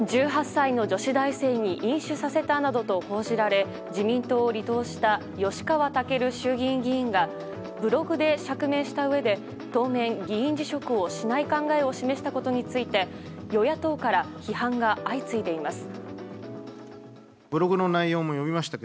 １８歳の女子大生に飲酒させたなどと報じられ自民党を離党した吉川赳衆議院議員がブログで釈明したうえで当面、議員辞職をしない考えを示したことについて与野党から批判が相次いでいます。